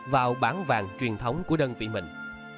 vào bán vàng truyền thống của đơn vị mình